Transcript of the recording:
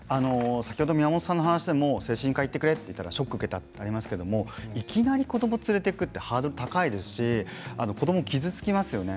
宮本さんの話でも精神科に行ってくれと言われてショックを受けたということですがいきなり子どもを連れて行くのはハードルが高いし子どもが傷つきます。